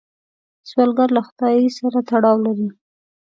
سوالګر له خدای سره تړاو لري